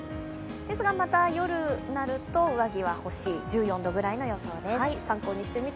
ですが、夜になると上着が欲しい、１４度くらいの予想です。